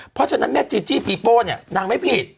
เพราะฉะนั้นแม่จีจี้ปีโป้เนี่ยนางไม่ผิด